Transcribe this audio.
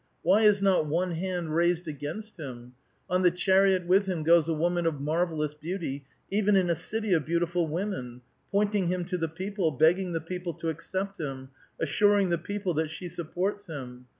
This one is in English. Why is not one hand raised against him ? On the chariot with him goes a woman of marvellous l^eauty, even in a city of beautiful women, pointing him to the people, begging the people to accept him, assuring the people that she supports him.